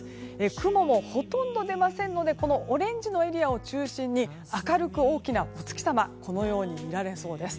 雲もほとんど出ませんのでオレンジのエリアを中心に明るく大きなお月様が見られそうです。